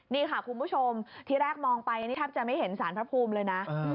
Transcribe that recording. นี่ค่ะคุณผู้ชมที่แรกมองไปนี่แทบจะไม่เห็นสารพระภูมิเลยนะ